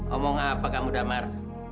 omong apa kamu damar